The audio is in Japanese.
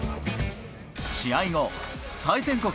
試合後、対戦国